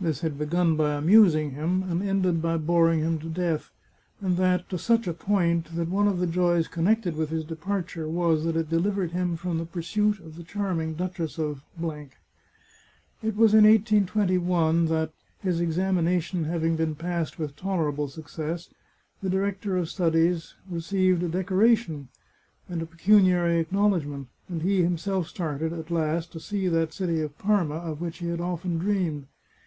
This had begun by amusing him, and ended by boring him to death; and that to such a point that one of the joys connected with his departure was that it delivered him from the pursuit of the charming Duchess of . It was in 1821 that, his examination having been passed with tolerable success, the director of his studies received a decoration and a pecuniary acknowledgment, and he him self started, at last, to see that city of Parma of which he had often dreamed.